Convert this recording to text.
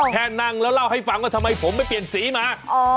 นั่งแล้วเล่าให้ฟังว่าทำไมผมไม่เปลี่ยนสีมา